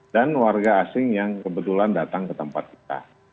dan warga asing yang kebetulan datang ke tempat kita